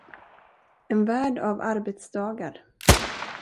En värld av arbetsdagar.